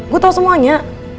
gue tau semuanya